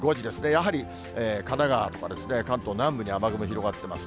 やはり神奈川とか関東南部に雨雲広がっています。